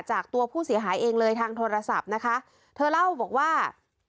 จากตัวผู้เสียหายเองเลยทางโทรศัพท์นะคะเธอเล่าบอกว่า